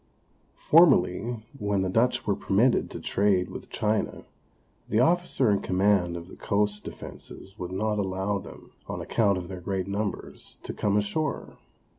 Formerly, when the Dutch were permitted to trade with China, the officer in command of the coast defences would not allow them, on account of their great numbers, to come ashore.